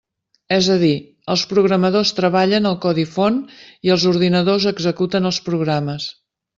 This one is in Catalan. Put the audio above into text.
És a dir, els programadors treballen el codi font i els ordinadors executen els programes.